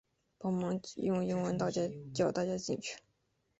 帮忙用英文叫大家进去